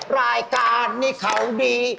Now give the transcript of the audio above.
รายการนี้เขาดี